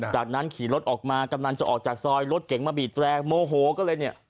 จากนั้นขี่รถออกมากำลังจะออกจากซอยรถเก๋งมาบีดแรงโมโหก็เลยเนี่ย